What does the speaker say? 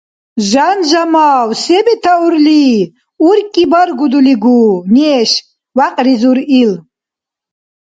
- Жан Жамав, се бетаурли? УркӀи баргудулигу? Неш? - вякьризур ил.